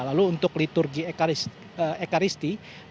lalu untuk liturgi ekaristi